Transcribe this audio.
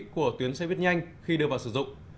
của tuyến xe buýt nhanh khi đưa vào sử dụng